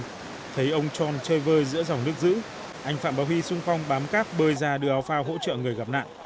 hôm nay thấy ông tròn chơi vơi giữa dòng nước dữ anh phạm báo huy xung phong bám cáp bơi ra đưa áo phao hỗ trợ người gặp nạn